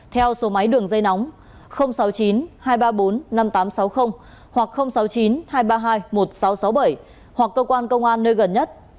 theo số máy đường dây nóng sáu mươi chín hai trăm ba mươi bốn năm nghìn tám trăm sáu mươi hoặc sáu mươi chín hai trăm ba mươi hai một nghìn sáu trăm sáu mươi bảy hoặc cơ quan công an nơi gần nhất